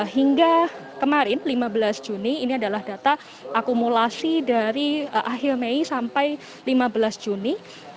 hingga kemarin lima belas juni ini adalah data akumulasi dari akhir mei sampai lima belas juni